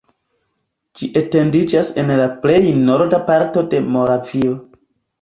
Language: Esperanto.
Ĝi etendiĝas en la plej norda parto de Moravio.